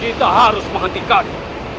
kita harus menghentikan ini